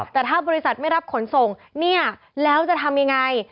แต่ถ้าบริษัทไม่รับขนส่งเนี่ยแล้วจะทำยังไง